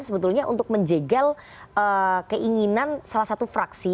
sebetulnya untuk menjegal keinginan salah satu fraksi